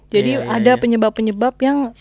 jadi ada penyebab penyebab yang